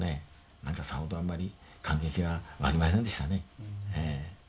何かさほどあんまり感激は湧きませんでしたね。